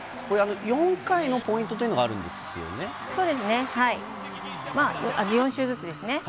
４回のポイントというのがあそうですね。